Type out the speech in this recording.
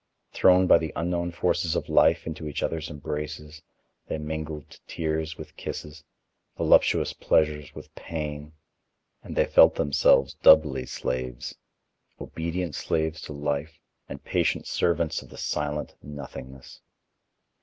Thrown by the unknown forces of life into each other's embraces, they mingled tears with kisses, voluptuous pleasures with pain, and they felt themselves doubly slaves, obedient slaves to life, and patient servants of the silent Nothingness.